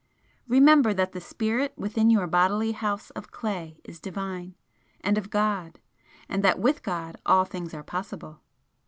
Remember that the Spirit within your bodily house of clay is Divine, and of God! and that with God all things are possible!"